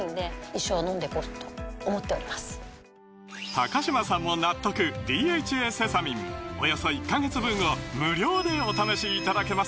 高嶋さんも納得「ＤＨＡセサミン」およそ１カ月分を無料でお試しいただけます